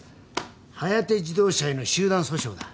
ハヤテ自動車への集団訴訟だ。